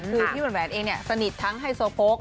คือพี่แหวนแหวนเองสนิททั้งไฮโซโภค